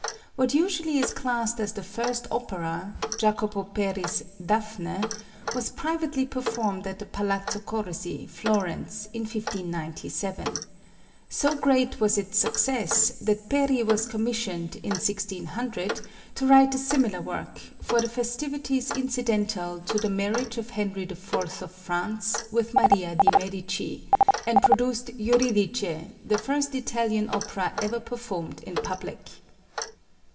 What usually is classed as the first opera, Jacopo Peri's "Dafne," was privately performed at the Palazzo Corsi, Florence, in 1597. So great was its success that Peri was commissioned, in 1600, to write a similar work for the festivities incidental to the marriage of Henry IV of France with Maria de Medici, and produced "Euridice," the first Italian opera ever performed in public.